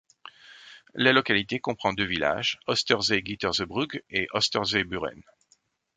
La localité comprend deux villages, Oosterzee-Gietersebrug et Oosterzee-Buren.